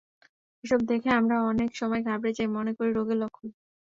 এসব দেখে আমরা অনেক সময় ঘাবড়ে যাই, মনে করি রোগের লক্ষণ।